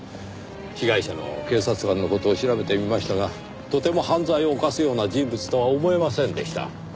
被害者の警察官の事を調べてみましたがとても犯罪を犯すような人物とは思えませんでした。